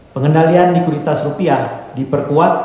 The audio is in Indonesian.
pengendalian likuiditas rupiah diperkuat